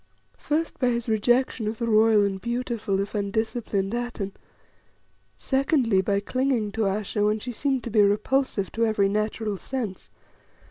First, by his rejection of the royal and beautiful, if undisciplined, Atene. Secondly, by clinging to Ayesha when she seemed to be repulsive to every natural sense.